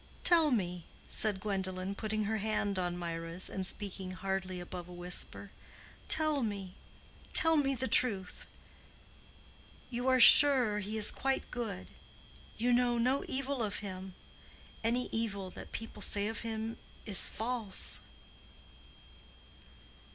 "Tell me," said Gwendolen, putting her hand on Mirah's, and speaking hardly above a whisper—"tell me—tell me the truth. You are sure he is quite good. You know no evil of him. Any evil that people say of him is false."